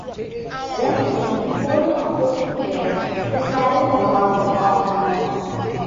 "Wrestling", "holding" opposing players, and carrying the ball were all allowed.